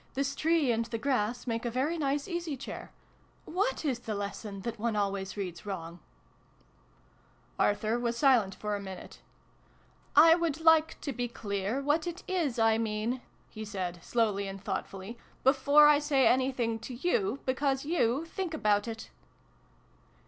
This tree and the grass make a very nice easy chair. What is the lesson that one always reads wrong ?" Arthur was silent for a minute. " I would like to be clear what it is I mean," he said, slowly and thoughtfully, " before I say anything \& you because you think about it."